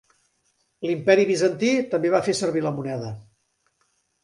L'Imperi Bizantí també va fer servir la moneda.